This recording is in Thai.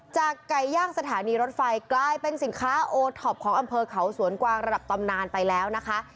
ไก่ย่างสถานีรถไฟกลายเป็นสินค้าโอท็อปของอำเภอเขาสวนกวางระดับตำนานไปแล้วนะคะ